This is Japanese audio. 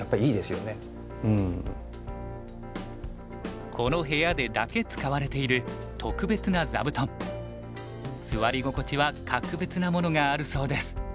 時々この部屋でだけ使われている特別な座布団座り心地は格別なものがあるそうです。